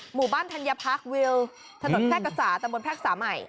หมู่บ้านธัญพรรควิลถนนแพลกศาสตร์ตำบลแพลกศาสตร์ใหม่